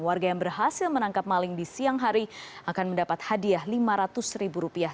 warga yang berhasil menangkap maling di siang hari akan mendapat hadiah lima ratus ribu rupiah